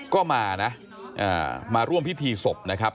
ก็มานะมาร่วมพิธีศพนะครับ